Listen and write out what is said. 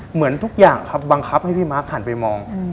เหมือนทุกอย่างครับบังคับให้พี่มาร์คหันไปมอง